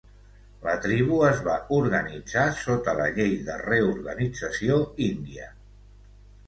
La tribu es va organitzar sota la Llei de Reorganització Índia.